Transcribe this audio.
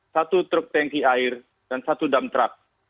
satu truk tanki air dan satu dump truck